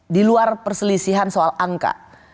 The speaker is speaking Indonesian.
di luar perselisihan soal angka